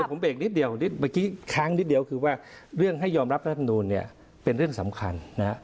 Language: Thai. ผมเบรกนิดเดียวเมื่อกี้ค้างนิดเดียวคือว่าเรื่องให้ยอมรับรัฐมนูลเนี่ยเป็นเรื่องสำคัญนะฮะ